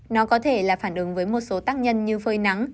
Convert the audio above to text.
nó có thể là phản ứng với một số tác nhân như phơi nắng